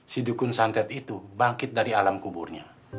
si dukun santet itu bangkit dari alam kuburnya